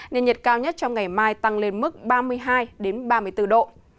nên nhiệt cao nhất trong ngày mai tăng lên mức ba mươi hai ba mươi bốn độ